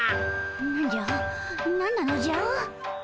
何じゃ何なのじゃ？